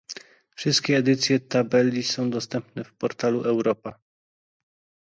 Wszystkie edycje tabeli są dostępne w portalu Europa